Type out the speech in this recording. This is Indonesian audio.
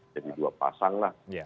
jadi dua pasang lah